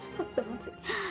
susah banget sih